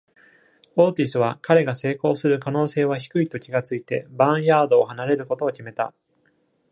オーティスは、彼が成功する可能性は低いと気が付いて、バーンヤードを離れることを決めた。